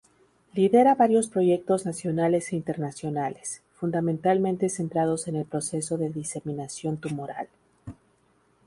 Lidera varios proyectos nacionales e internacionales, fundamentalmente centrados en el proceso de diseminación tumoral.